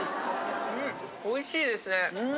おいしいですね。